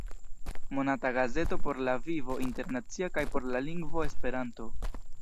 Monata gazeto por la vivo internacia kaj por la lingvo Esperanto.